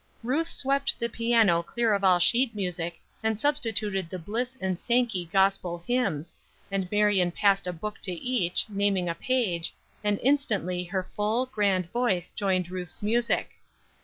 Ruth swept the piano clear of all sheet music and substituted the Bliss and Sankey Gospel hymns, and Marion passed a book to each, naming a page, and instantly her full, grand voice joined Ruth's music.